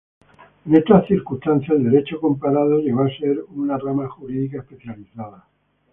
En estas circunstancias el derecho comparado llegó a ser una rama jurídica especializada.